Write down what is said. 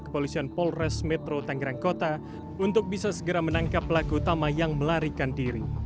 kepolisian polres metro tanggerang kota untuk bisa segera menangkap pelaku utama yang melarikan diri